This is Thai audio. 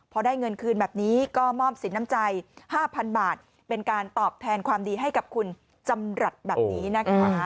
พอได้เงินคืนแบบนี้ก็มอบสินน้ำใจ๕๐๐๐บาทเป็นการตอบแทนความดีให้กับคุณจำรัฐแบบนี้นะคะ